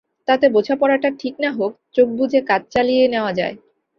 তাতে বোঝাপড়াটা ঠিক না হোক, চোখ বুজে কাজ চালিয়ে নেওয়া যায়।